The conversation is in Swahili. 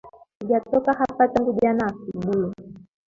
Sijatoka hapa tangu jana asubuhi